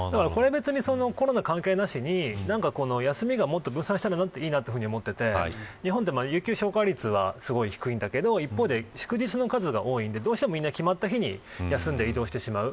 コロナ関係なしに、休みがもっと分散したらいいなと思っていて日本は有給消化率がすごい低いんだけど一方で祝日の数が多いのでどうしてもみんな決まった日に休んで移動してしまう。